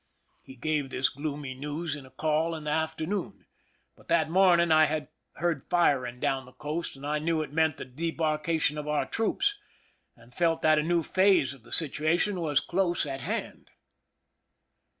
He gave this gloomy news in a call in the afternoon ; but that morning I had heard firing down the coast, and I knew it meant the debarkation of our troops, and felt that a new phase of the situation was close at hand.